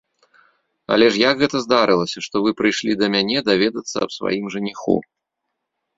Але ж як гэта здарылася, што вы прыйшлі да мяне даведацца аб сваім жаніху?